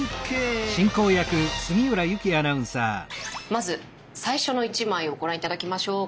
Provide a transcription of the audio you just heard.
まず最初の一枚をご覧頂きましょう。